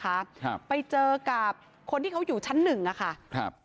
ครับไปเจอกับคนที่เขาอยู่ชั้นหนึ่งอ่ะค่ะครับ